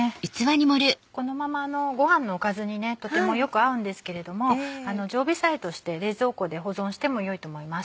このままご飯のおかずにとてもよく合うんですけれども常備菜として冷蔵庫で保存してもよいと思います。